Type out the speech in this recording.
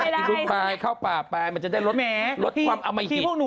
ไม่ได้อีหรุดไปเข้าป่าป่ายมันจะได้ลดความเอาไม่ได้